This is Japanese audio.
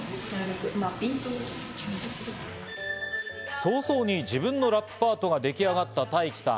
早々に自分のラップパートが出来上がったタイキさん。